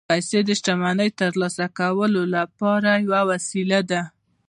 پیسې د شتمنۍ ترلاسه کولو لپاره یوه وسیله ده